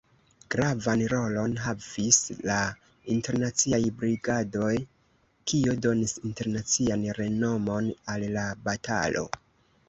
Gravan rolon havis la Internaciaj Brigadoj, kio donis internacian renomon al la batalo.